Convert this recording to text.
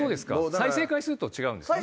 再生回数とは違うんですね。